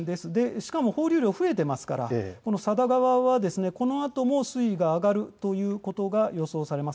しかも放流量が増えていますからこのあとも水位が上がることが予想されます。